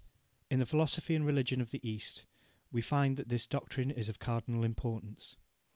In the philosophy and religion of the East we find that this doctrine is of cardinal importance.